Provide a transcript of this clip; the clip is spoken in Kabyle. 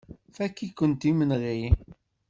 Fakk-ikent imenɣi.